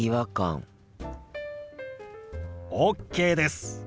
ＯＫです。